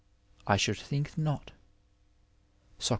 I should think not 8oe.